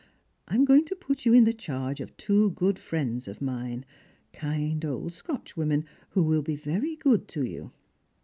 I am going to put you in the charge of two good friends of mine — kind old Scotch women, who will be very good to you."